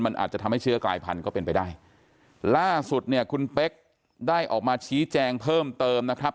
มันอาจจะทำให้เชื้อกลายพันธุก็เป็นไปได้ล่าสุดเนี่ยคุณเป๊กได้ออกมาชี้แจงเพิ่มเติมนะครับ